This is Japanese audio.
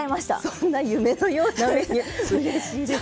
そんな夢のようなメニューうれしいです。